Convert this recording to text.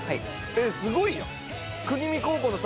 えっすごいやん。